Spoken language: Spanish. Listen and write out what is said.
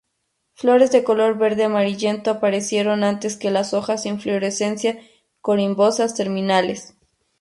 Flores de color verde amarillento, apareciendo antes que las hojas en inflorescencias corimbosas terminales.